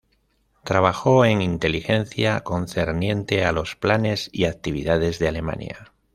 Trabajó en inteligencia concerniente a los planes y actividades de Alemania.